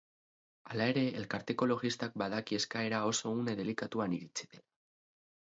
Hala ere, elkarte ekologistak badaki eskaera oso une delikatuan iritsi dela.